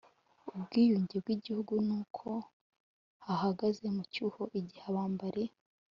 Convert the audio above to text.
ubwiyunge bw igihugu ni uko bahagaze mu cyuho igihe abambari